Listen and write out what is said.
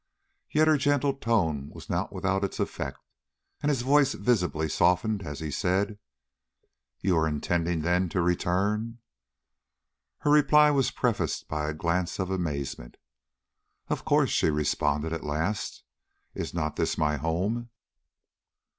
Yet her gentle tone was not without its effect, and his voice visibly softened as he said: "You are intending, then, to return?" Her reply was prefaced by a glance of amazement. "Of course," she responded at last. "Is not this my home?"